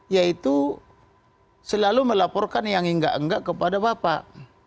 yaitu selalu melaporkan yang enggak enggak kepada bapak